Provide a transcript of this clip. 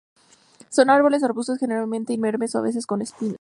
Son árboles o arbustos generalmente inermes o a veces con espinas.